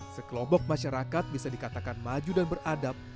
sekelompok masyarakat bisa dikatakan maju dan beradab